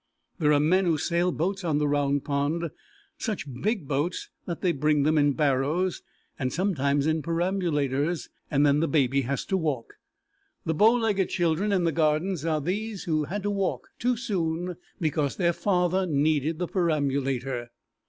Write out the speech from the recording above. There are men who sail boats on the Round Pond, such big boats that they bring them in barrows and sometimes in perambulators, and then the baby has to walk. The bow legged children in the Gardens are these who had to walk too soon because their father needed the perambulator.